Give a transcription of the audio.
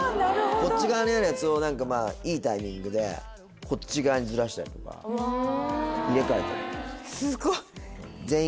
こっち側にあるやつを何かまあいいタイミングでこっち側にずらしたりとか入れ替えたりとかすごっ！